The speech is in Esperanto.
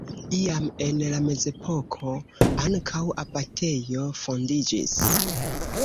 Iam en la mezepoko ankaŭ abatejo fondiĝis.